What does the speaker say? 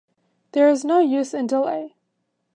There is no use in delay.